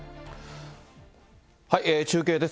中継です。